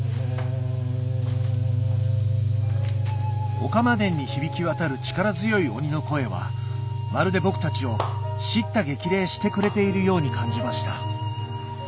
御釜殿に響き渡る力強い鬼の声はまるで僕たちを叱咤激励してくれているように感じました